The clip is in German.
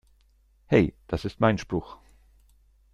Hey, das ist mein Spruch!